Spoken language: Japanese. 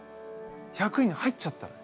１００位に入っちゃったのよ。